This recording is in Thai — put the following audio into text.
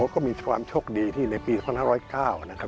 อ๋อก็มีความโชคดีที่ในปีครั้งนั้น๑๐๙นะครับ